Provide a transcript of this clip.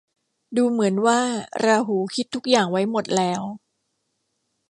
ดูเหมือนว่าราหูคิดทุกอย่างไว้หมดแล้ว